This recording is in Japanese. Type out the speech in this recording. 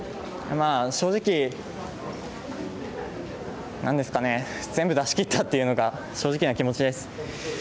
正直、なんですかね全部、出しきったっていうのが正直な気持ちです。